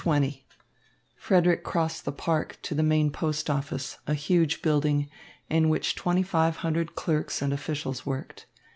XX Frederick crossed the park to the main Post Office, a huge building, in which twenty five hundred clerks and officials worked.